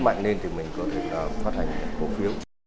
mạnh lên thì mình có thể phát hành cố phiếu